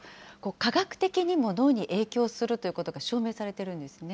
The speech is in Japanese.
科学的にも脳に影響するということが証明されているんですね。